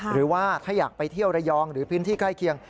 หรือว่าถ้าอยากไปเที่ยวระยองหรือพื้นที่ใกล้เคียง